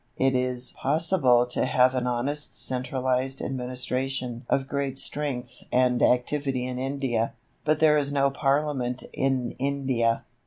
It is possible to have an honest centralized administration of great strength and activity in India, but there is no Parliament in India.